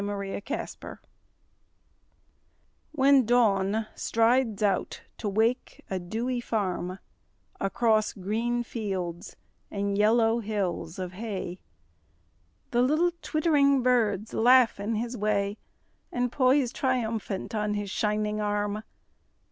Alarm Clocks When Dawn strides out to wake a dewy farm Across green fields and yellow hills of hay The little twittering birds laugh in his way And poise triumphant on his shining arm.